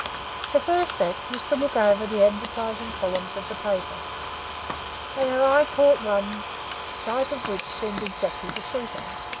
Her first act was to look over the advertizing columns of the papers, and her eye caught sight of one which seemed exactly to suit her.